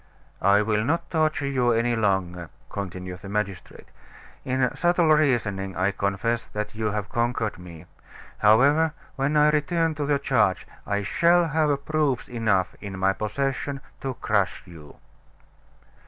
"I will not torture you any longer," continued the magistrate. "In subtle reasoning I confess that you have conquered me. However, when I return to the charge I shall have proofs enough in my possession to crush you."